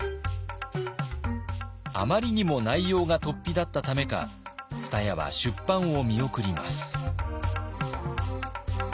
あまりにも内容がとっぴだったためか蔦屋は出版を見送ります。